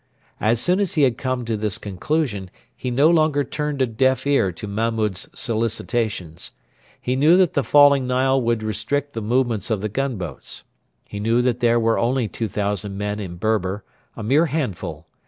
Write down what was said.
As soon as he had come to this conclusion, he no longer turned a deaf ear to Mahmud's solicitations. He knew that the falling Nile would restrict the movements of the gunboats. He knew that there were only 2,000 men in Berber a mere handful.